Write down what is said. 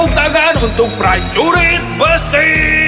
tepuk tangan untuk prajurit besi